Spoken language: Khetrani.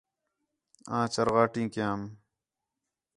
آں چرغائیں کیام